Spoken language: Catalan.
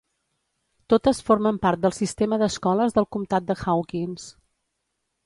Totes formen part del sistema d'escoles del comtat de Hawkins.